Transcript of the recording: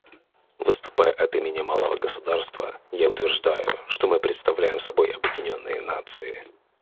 Выступая от имени малого государства, я утверждаю, что мы представляем собой объединенные нации.